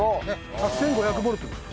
８５００ボルトです。